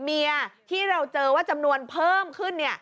เมียที่เราเจอว่าจำนวนเพิ่มขึ้น